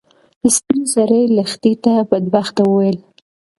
سپین سرې لښتې ته بدبخته وویل.